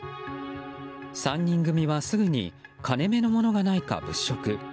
３人組はすぐに金目のものがないか物色。